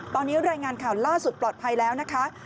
ตอนนี้รายงานข่าวล่าสุดปลอดภัยแล้วนะคะ